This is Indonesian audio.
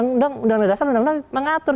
undang undang dasar undang undang mengatur